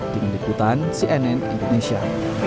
dengan ikutan cnn indonesia